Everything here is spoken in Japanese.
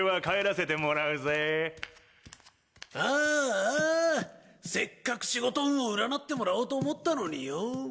ああせっかく仕事運を占ってもらおうと思ったのによ。